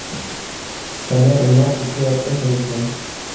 Sa mère est morte peu après sa naissance.